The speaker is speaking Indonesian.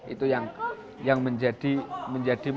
itu yang menjadi modal utama